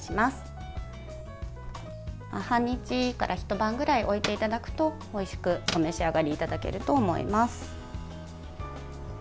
半日からひと晩ぐらい置いていただくと、おいしくお召し上がりいただけると思います。